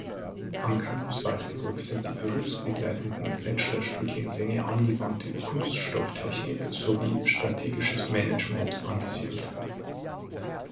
Am Campus Weißenburg sind die berufsbegleitenden Bachelorstudiengänge "Angewandte Kunststofftechnik" sowie "Strategisches Management" angesiedelt.